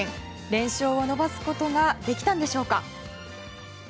連勝を伸ばすことができたんでしょうか。